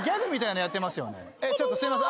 ちょっとすいません。